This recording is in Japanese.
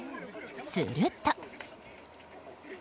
すると。